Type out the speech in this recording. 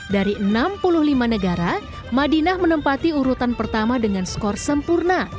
dari enam puluh lima negara madinah menempati urutan pertama dengan skor sempurna